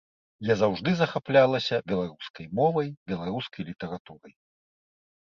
Я заўжды захаплялася беларускай мовай, беларускай літаратурай.